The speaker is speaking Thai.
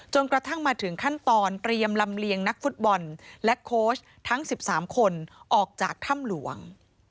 กระทั่งมาถึงขั้นตอนเตรียมลำเลียงนักฟุตบอลและโค้ชทั้ง๑๓คนออกจากถ้ำหลวง